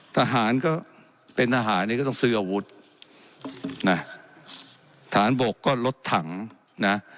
ทหารก็เป็นทหารนี่ก็ต้องซื้ออาวุธนะฐานบกก็ลดถังนะ